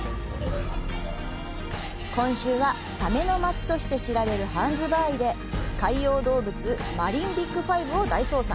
今週は、サメの街として知られるハンズバーイで海洋動物マリンビッグ５を大捜索！